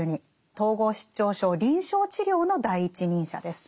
統合失調症臨床治療の第一人者です。